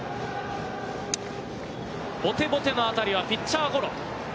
ぼてぼての当たりは、ピッチャーゴロ。